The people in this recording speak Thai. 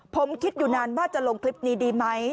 ผมคิดอยู่นานว่าจะลงคลิปนี้ดีไหม